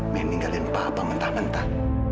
mending kalian papa mentah mentah